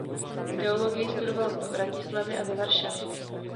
Teologii studoval v Bratislavě a ve Varšavě.